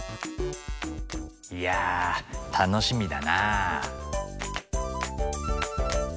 いや楽しみだな。